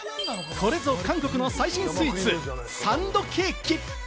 これぞ韓国の最新スイーツ、サンドケーキ！